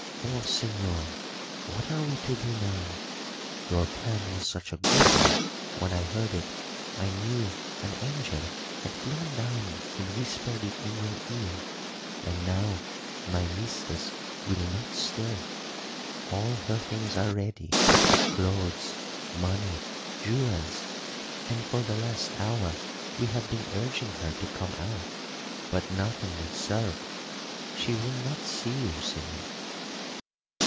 Oh, señor, what are we to do now? Your plan was such a good one; when I heard it I knew an angel had flown down and whispered it in your ear. And now my mistress will not stir! All her things are ready clothes, money, jewels; and for the last hour we have been urging her to come out, but nothing will serve. She will not see you, señor."